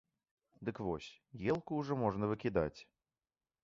Дык вось, елку ўжо можна выкідаць.